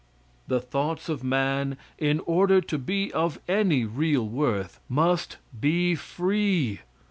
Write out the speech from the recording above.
The thoughts of man, in order to be of any real worth, must be free.